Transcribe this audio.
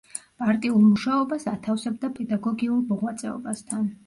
პარტიულ მუშაობას ათავსებდა პედაგოგიურ მოღვაწეობასთან.